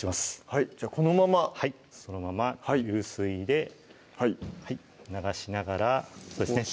はいじゃあこのままそのまま流水で流しながらそうですね